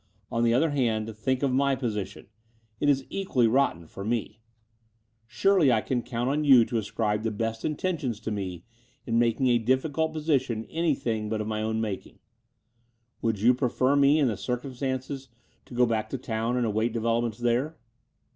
On the other hand, think of my position. It is equally rotten for me. Between London and Clsnmplng 127 Surely I can count on you to ascribe the best intentions to me in a difficult position anything but of my own making? Would you prefer me, in the circumstances, to go back to town and await developments there?"